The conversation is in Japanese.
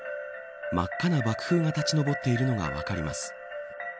真っ赤な爆風が立ち上っているのが分かります。